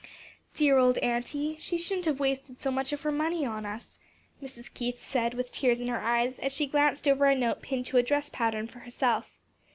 "Dear old auntie! She shouldn't have wasted so much of her money on us," Mrs. Keith said with tears in her eyes, as she glanced over a note pinned to a dress pattern for herself.